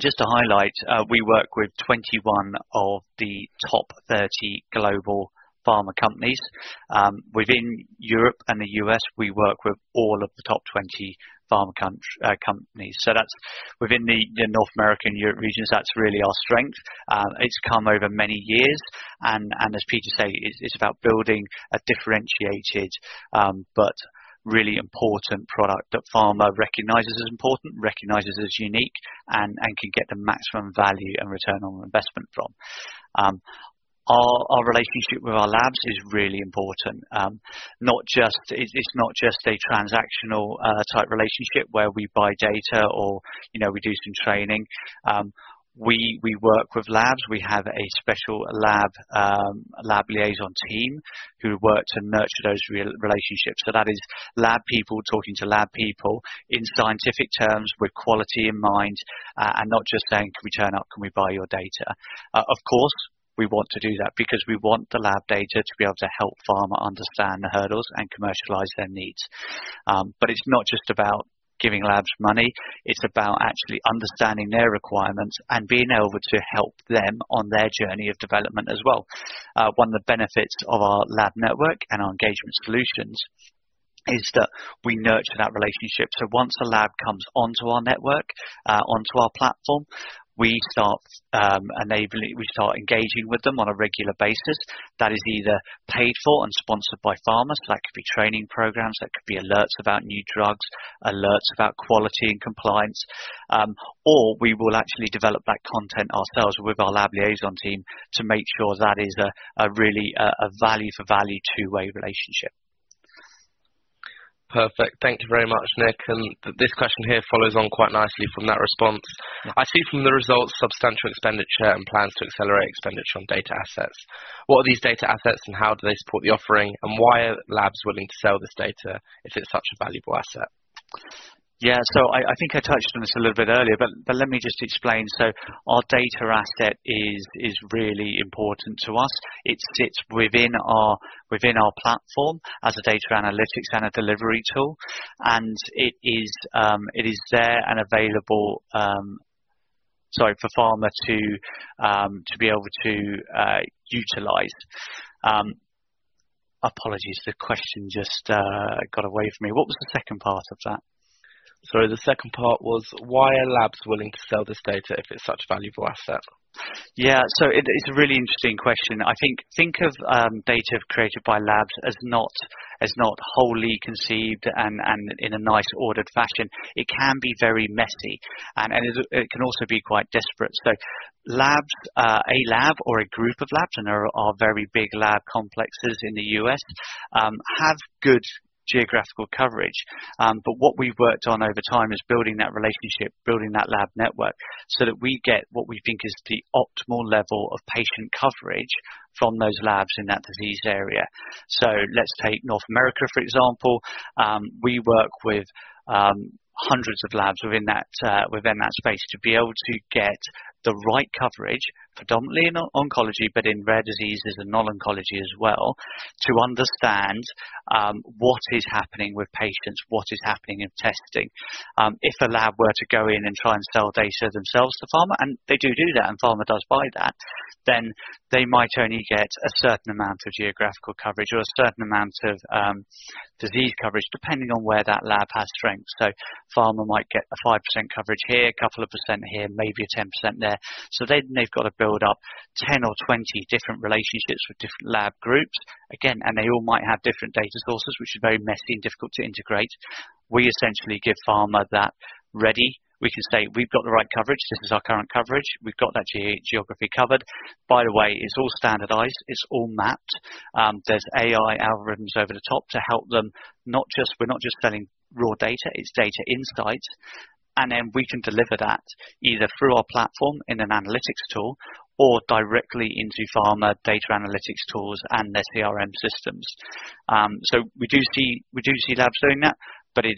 C: Just to highlight, we work with 21 of the top 30 global pharma companies. Within Europe and the U.S., we work with all of the top 20 pharma companies. That's within the, you know, North American-Europe regions, that's really our strength. It's come over many years and as Peter said, it's about building a differentiated, but really important product that pharma recognizes as important, recognizes as unique and can get the maximum value and return on investment from. Our relationship with our labs is really important. It's not just a transactional type relationship where we buy data or, you know, we do some training. We work with labs. We have a special lab liaison team who work to nurture those relationships. That is lab people talking to lab people in scientific terms with quality in mind, not just saying, "Can we turn up? Can we buy your data?" Of course, we want to do that because we want the lab data to be able to help pharma understand the hurdles and commercialize their needs. It's not just about giving labs money, it's about actually understanding their requirements and being able to help them on their journey of development as well. One of the benefits of our lab network and our Engagement Solutions is that we nurture that relationship. Once a lab comes onto our network, onto our platform, we start engaging with them on a regular basis. That is either paid for and sponsored by pharmas. That could be training programs, that could be alerts about new drugs, alerts about quality and compliance. We will actually develop that content ourselves with our lab liaison team to make sure that is a really a value for value two-way relationship.
D: Perfect. Thank you very much, Nick. This question here follows on quite nicely from that response. I see from the results substantial expenditure and plans to accelerate expenditure on data assets. What are these data assets and how do they support the offering? Why are labs willing to sell this data if it's such a valuable asset?
C: Yeah. I think I touched on this a little bit earlier, but let me just explain. Our data asset is really important to us. It sits within our platform as a data analytics and a delivery tool. It is there and available, sorry for pharma to be able to utilize. Apologies the question just got away from me. What was the second part of that?
D: Sorry. The second part was why are labs willing to sell this data if it's such a valuable asset?
C: It's a really interesting question. I think of data created by labs as not wholly conceived and in a nice ordered fashion. It can be very messy, and it can also be quite disparate. Labs, a lab or a group of labs, and there are very big lab complexes in the U.S., have good geographical coverage. What we've worked on over time is building that relationship, building that lab network so that we get what we think is the optimal level of patient coverage from those labs in that disease area. Let's take North America for example. We work with 100s of labs within that space to be able to get the right coverage predominantly in oncology, but in rare diseases and non-oncology as well, to understand what is happening with patients, what is happening in testing. If a lab were to go in and try and sell data themselves to pharma, and they do that, and pharma does buy that, they might only get a certain amount of geographical coverage or a certain amount of disease coverage, depending on where that lab has strength. Pharma might get a 5% coverage here, a couple of precent here, maybe a 10% there. They've got to build up 10 or 20 different relationships with different lab groups. Again, they all might have different data sources, which are very messy and difficult to integrate. We essentially give pharma that ready. We can say, "We've got the right coverage. This is our current coverage. We've got that geography covered. By the way, it's all standardized, it's all mapped. There's AI algorithms over the top to help them." We're not just selling raw data, it's data insight. We can deliver that either through our platform in an analytics tool or directly into pharma data analytics tools and their CRM systems. We do see labs doing that, but it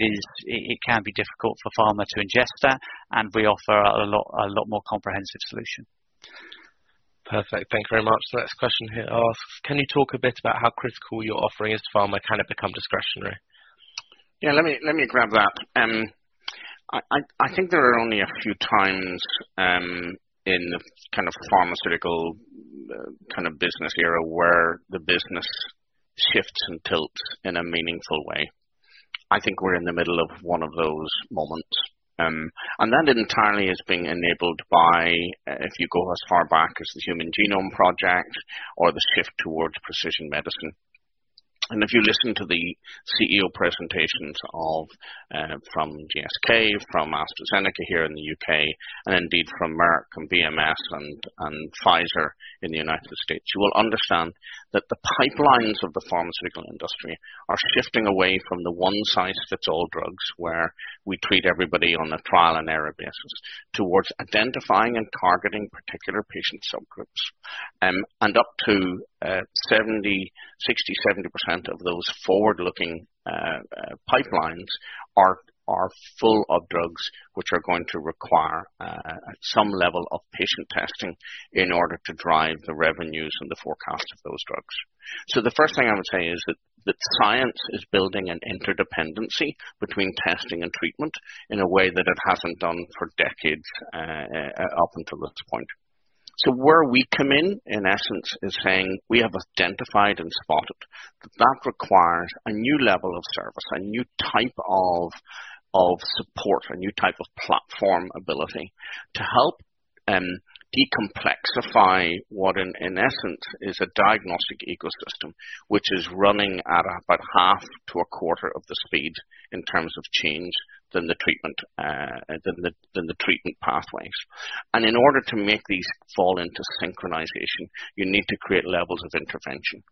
C: can be difficult for pharma to ingest that, and we offer a lot more comprehensive solution.
D: Perfect. Thank you very much. The next question here asks, can you talk a bit about how critical your offering is to pharma? Can it become discretionary?
B: Yeah, let me grab that. I think there are only a few times in the kind of pharmaceutical kind of business era where the business shifts and tilts in a meaningful way. I think we're in the middle of one of those moments. That entirely is being enabled by if you go as far back as the Human Genome Project or the shift towards precision medicine. If you listen to the CEO presentations from GSK, from AstraZeneca here in the U.K. and indeed from Merck and BMS and Pfizer in the United States, you will understand that the pipelines of the pharmaceutical industry are shifting away from the one size fits all drugs, where we treat everybody on a trial-and-error basis, towards identifying and targeting particular patient subgroups. Up to 70%, 60%, 70% of those forward-looking pipelines are full of drugs which are going to require some level of patient testing in order to drive the revenues and the forecast of those drugs. The first thing I would say is that science is building an interdependency between testing and treatment in a way that it hasn't done for decades up until this point. Where we come in essence, is saying we have identified and spotted that that requires a new level of service, a new type of support, a new type of platform ability to help decomplexify what in essence is a diagnostic ecosystem, which is running at about half to a quarter of the speed in terms of change than the treatment pathways. In order to make these fall into synchronization, you need to create levels of intervention.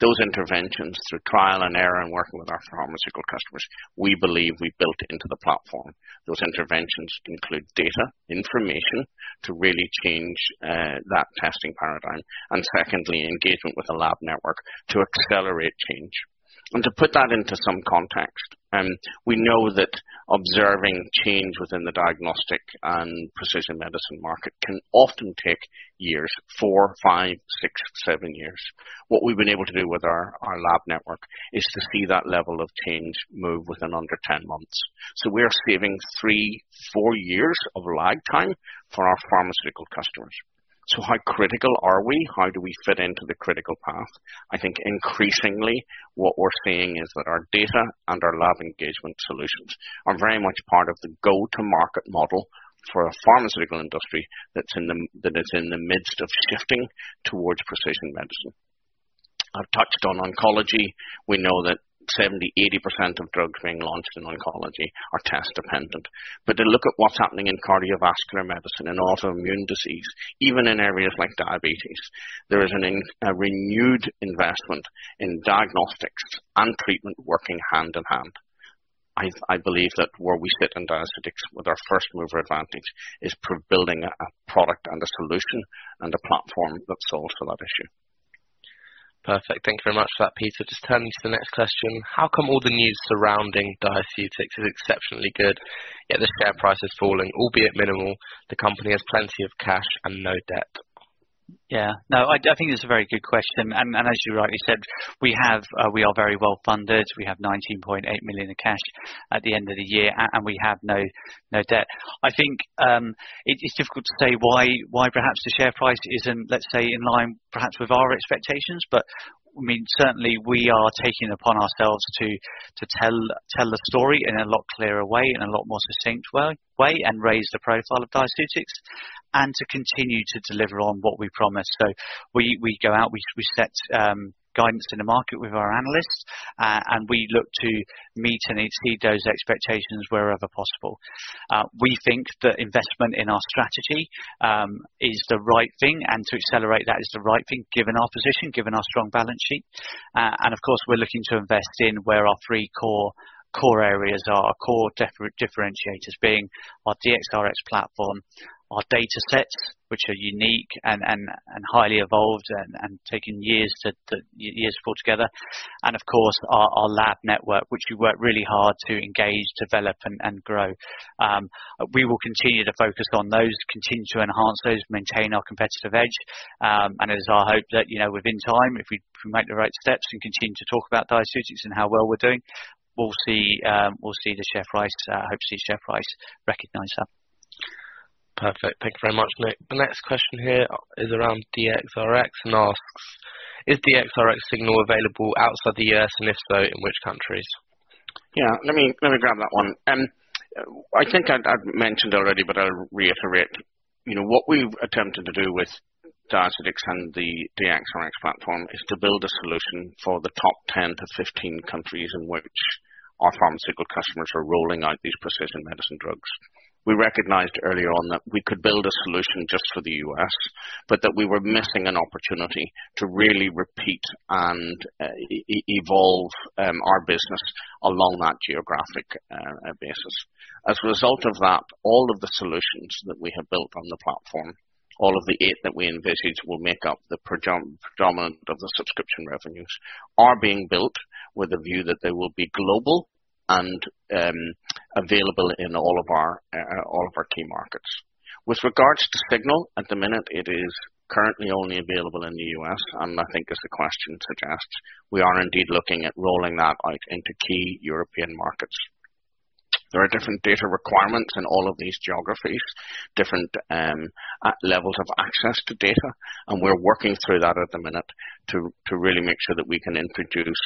B: Those interventions, through trial and error and working with our pharmaceutical customers, we believe we built into the platform. Those interventions include data, information to really change that testing paradigm, and secondly, engagement with the lab network to accelerate change. To put that into some context, we know that observing change within the diagnostic and precision medicine market can often take years, four, five, six, seven years. What we've been able to do with our lab network is to see that level of change move within under 10 months. We're saving three, four years of lag time for our pharmaceutical customers. How critical are we? How do we fit into the critical path? I think increasingly what we're seeing is that our data and our Engagement Solutions are very much part of the go-to-market model for a pharmaceutical industry that is in the midst of shifting towards precision medicine. I've touched on oncology. We know that 70%, 80% of drugs being launched in oncology are test-dependent. To look at what's happening in cardiovascular medicine and autoimmune disease, even in areas like diabetes, there is a renewed investment in diagnostics and treatment working hand-in-hand. I believe that where we sit in Diaceutics with our first mover advantage is building a product and a solution and a platform that solves for that issue.
D: Perfect. Thank you very much for that, Peter. Turning to the next question. How come all the news surrounding Diaceutics is exceptionally good, yet the share price is falling, albeit minimal, the company has plenty of cash and no debt?
C: No, I think that's a very good question. As you rightly said, we are very well-funded. We have 19.8 million (Pound Sterling) in cash at the end of the year, and we have no debt. I think it's difficult to say why perhaps the share price isn't, let's say, in line perhaps with our expectations. I mean, certainly we are taking it upon ourselves to tell the story in a lot clearer way, in a lot more succinct way, and raise the profile of Diaceutics and to continue to deliver on what we promise. We go out, we set guidance to the market with our analysts, and we look to meet and exceed those expectations wherever possible. We think that investment in our strategy is the right thing, and to accelerate that is the right thing, given our position, given our strong balance sheet. We're looking to invest in where our three core areas are. Our core differentiators being our DXRX platform, our data sets, which are unique and highly evolved and taken years to pull together. Our lab network, which we work really hard to engage, develop, and grow. We will continue to focus on those, continue to enhance those, maintain our competitive edge. It is our hope that, you know, within time, if we make the right steps and continue to talk about Diaceutics and how well we're doing, we'll see the share price, hope to see share price recognize that.
D: Perfect. Thank you very much, Nick. The next question here is around DXRX and asks, "Is DXRX Signal available outside the U.S.? And if so, in which countries?
B: Yeah. Let me grab that one. I think I've mentioned already, but I'll reiterate. You know, what we've attempted to do with Diaceutics and the DXRX platform is to build a solution for the top 10 to 15 countries in which our pharmaceutical customers are rolling out these precision medicine drugs. We recognized earlier on that we could build a solution just for the U.S., but that we were missing an opportunity to really repeat and evolve our business along that geographic basis. As a result of that, all of the solutions that we have built on the platform, all of the eight that we envisage will make up the predominant of the subscription revenues, are being built with a view that they will be global and available in all of our key markets. With regards to Signal, at the minute, it is currently only available in the U.S., and I think as the question suggests, we are indeed looking at rolling that out into key European markets. There are different data requirements in all of these geographies, different levels of access to data, and we're working through that at the minute to really make sure that we can introduce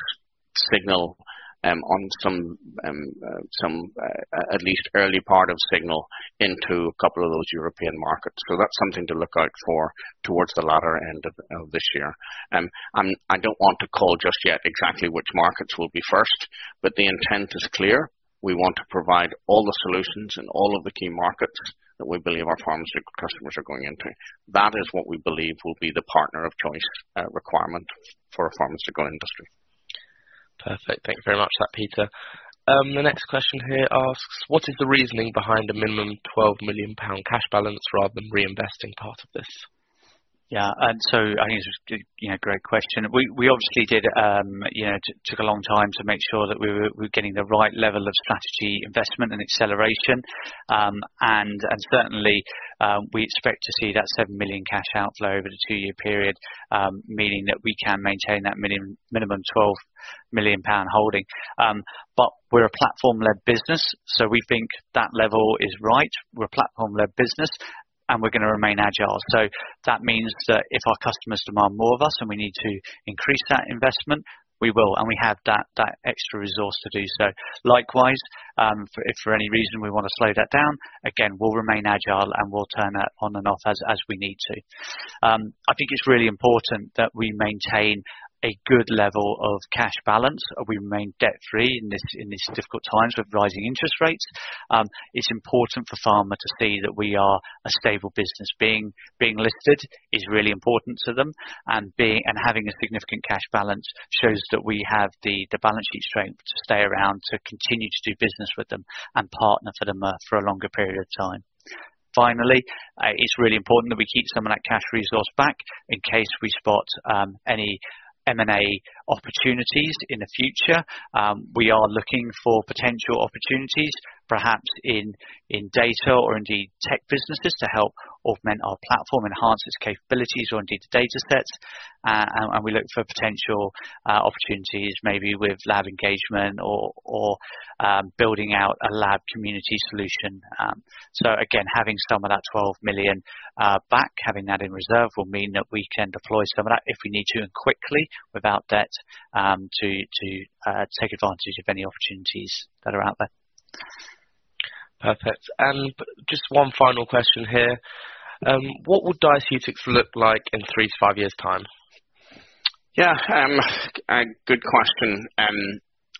B: Signal on some at least early part of Signal into a couple of those European markets. That's something to look out for towards the latter end of this year. I don't want to call just yet exactly which markets will be first, but the intent is clear. We want to provide all the solutions in all of the key markets that we believe our pharmaceutical customers are going into. That is what we believe will be the partner of choice, requirement for a pharmaceutical industry.
D: Perfect. Thank you very much for that, Peter. The next question here asks, "What is the reasoning behind the minimum 12 million (Pound Sterling) cash balance rather than reinvesting part of this?
C: Yeah. I think it's a you know, great question. We obviously did, you know, took a long time to make sure that we were getting the right level of strategy investment and acceleration. And certainly, we expect to see that 7 million (Pound Sterling) cash outflow over the two-year period, meaning that we can maintain that minimum 12 million (Pound Sterling) holding. We're a platform-led business, so we think that level is right. We're a platform-led business, we're gonna remain agile. That means that if our customers demand more of us and we need to increase that investment, we will, and we have that extra resource to do so. Likewise, if for any reason we wanna slow that down, again, we'll remain agile, and we'll turn that on and off as we need to. I think it's really important that we maintain a good level of cash balance. We remain debt-free in this, in these difficult times with rising interest rates. It's important for pharma to see that we are a stable business. Being listed is really important to them, and having a significant cash balance shows that we have the balance sheet strength to stay around, to continue to do business with them and partner for them for a longer period of time. Finally, it's really important that we keep some of that cash resource back in case we spot any M&A opportunities in the future. We are looking for potential opportunities, perhaps in data or indeed tech businesses to help augment our platform, enhance its capabilities or indeed the data sets. We look for potential opportunities maybe with lab engagement or building out a lab community solution. Again, having some of that 12 million (Pound Sterling) back, having that in reserve will mean that we can deploy some of that if we need to, and quickly without debt, to take advantage of any opportunities that are out there.
D: Perfect. Just one final question here. What would Diaceutics look like in three to five years' time?
B: Yeah. A good question.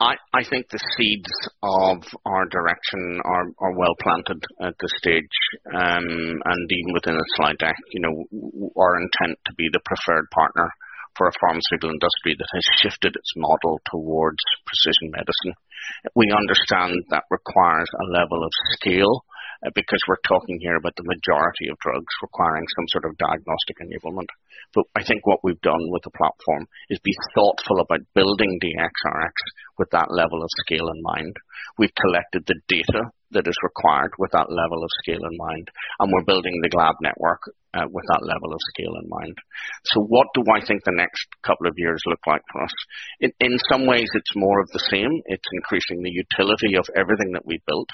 B: I think the seeds of our direction are well planted at this stage. Even within a slide deck, you know, our intent to be the preferred partner for a pharmaceutical industry that has shifted its model towards precision medicine. We understand that requires a level of scale because we're talking here about the majority of drugs requiring some sort of diagnostic enablement. I think what we've done with the platform is be thoughtful about building the DXRX with that level of scale in mind. We've collected the data that is required with that level of scale in mind, and we're building the lab network with that level of scale in mind. What do I think the next couple of years look like for us? In some ways, it's more of the same. It's increasing the utility of everything that we built.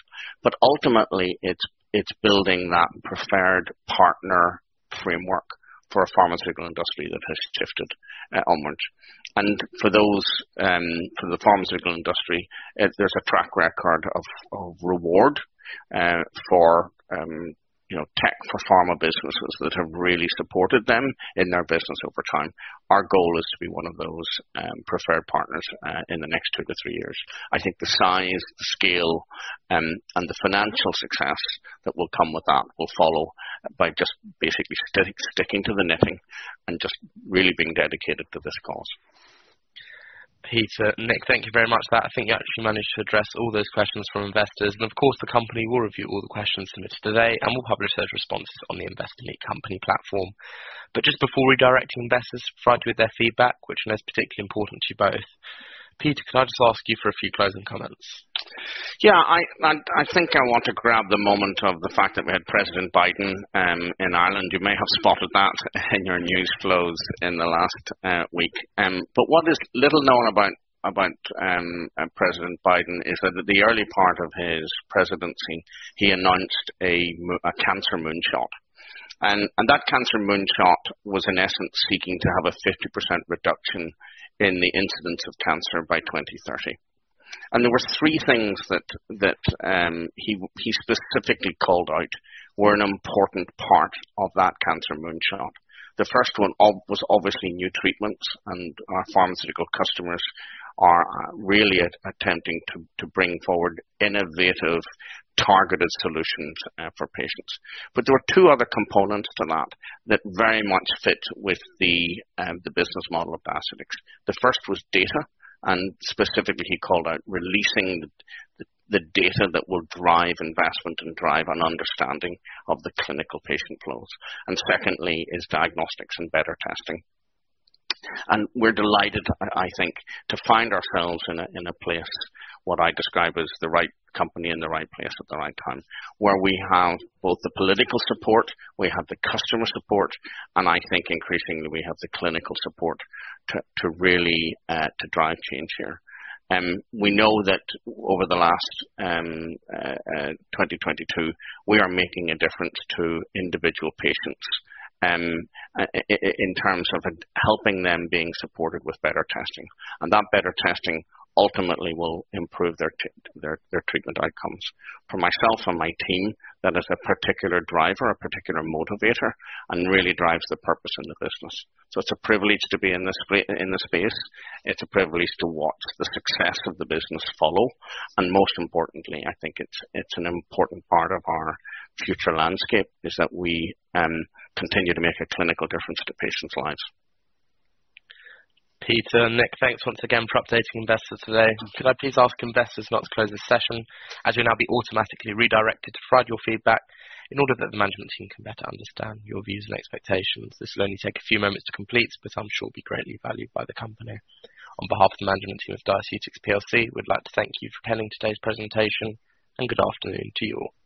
B: Ultimately it's building that preferred partner framework for a pharmaceutical industry that has shifted onward. For those, for the pharmaceutical industry, there's a track record of reward, for, you know, tech for pharma businesses that have really supported them in their business over time. Our goal is to be one of those preferred partners in the next two to three years. I think the size, the scale and the financial success that will come with that will follow by just basically sticking to the knitting and just really being dedicated to this cause.
D: Peter, Nick, thank you very much for that. Of course, the company will review all the questions submitted today and will publish those responses on the Investor Meet Company platform. Just before redirecting investors to provide you with their feedback, which I know is particularly important to you both. Peter, could I just ask you for a few closing comments?
B: Yeah. I think I want to grab the moment of the fact that we had President Biden in Ireland. You may have spotted that in your news flows in the last week. But what is little known about President Biden is that at the early part of his presidency, he announced a Cancer Moonshot. That Cancer Moonshot was in essence seeking to have a 50% reduction in the incidence of cancer by 2030. There were three things that he specifically called out were an important part of that Cancer Moonshot. The first one was obviously new treatments, and our pharmaceutical customers are really attempting to bring forward innovative, targeted solutions for patients. There were two other components to that that very much fit with the business model of Diaceutics. The first was data, and specifically, he called out releasing the data that will drive investment and drive an understanding of the clinical patient flows. Secondly is diagnostics and better testing. We're delighted, I think, to find ourselves in a place what I describe as the right company in the right place at the right time, where we have both the political support, we have the customer support, and I think increasingly we have the clinical support to really drive change here. We know that over the last 2022, we are making a difference to individual patients in terms of helping them being supported with better testing. That better testing ultimately will improve their treatment outcomes. For myself and my team, that is a particular driver, a particular motivator, and really drives the purpose in the business. It's a privilege to be in this space. It's a privilege to watch the success of the business follow. Most importantly, I think it's an important part of our future landscape, is that we continue to make a clinical difference to patients' lives.
D: Peter and Nick, thanks once again for updating investors today. Could I please ask investors now to close this session as you'll now be automatically redirected to provide your feedback in order that the management team can better understand your views and expectations. This will only take a few moments to complete, but I'm sure it'll be greatly valued by the company. On behalf of the management team of Diaceutics PLC, we'd like to thank you for attending today's presentation, and good afternoon to you all.